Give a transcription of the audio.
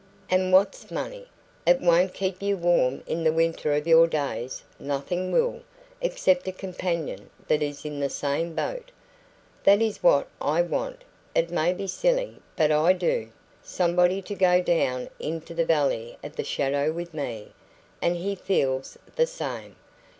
And what's money? It won't keep you warm in the winter of your days nothing will, except a companion that is in the same boat. That is what I want it may be silly, but I do somebody to go down into the valley of the shadow with me; and he feels the same.'